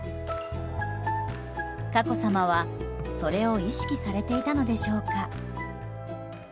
佳子さまは、それを意識されていたのでしょうか。